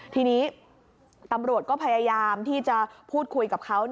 ทีนี้ตำรวจก็พยายามที่จะพูดคุยกับเขา